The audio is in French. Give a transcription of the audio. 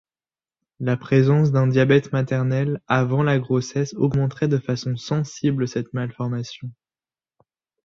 La présence d'un diabète maternel avant la grossesse augmenterait de façon sensible cette malformation.